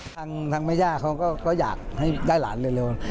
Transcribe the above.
ทางแม่ย่าเขาก็อยากให้ได้หลานเร็ว